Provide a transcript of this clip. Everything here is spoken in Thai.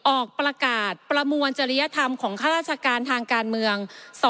ออกประกาศประมวลจริยธรรมของข้าราชการทางการเมือง